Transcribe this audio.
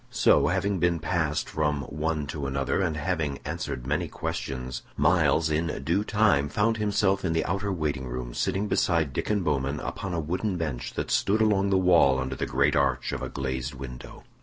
So, having been passed from one to another, and having answered many questions, Myles in due time found himself in the outer waiting room sitting beside Diccon Bowman upon a wooden bench that stood along the wall under the great arch of a glazed window.